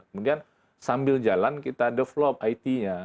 kemudian sambil jalan kita develop it nya